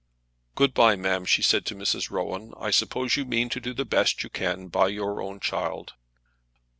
"Good bye, ma'am," she said to Mrs. Rowan. "I suppose you mean to do the best you can by your own child."